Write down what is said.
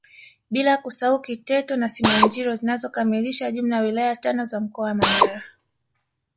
Bila kusahau Kiteto na Simanjiro zinazokamilisha jumla ya wilaya tano za mkoa wa Manyara